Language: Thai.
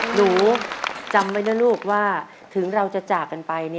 หนูจำไว้นะลูกว่าถึงเราจะจากกันไป